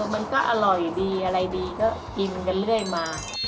มันก็อร่อยดีอะไรดีก็กินกันเรื่อยมา